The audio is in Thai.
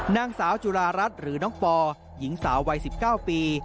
นางสาวจุรารัฐหรือน้องปอหญิงสาววัย๑๙ปี